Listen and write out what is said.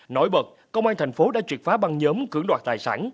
nổi bật công an thành phố đã triệt phá băng nhóm cưỡng đoạt tài sản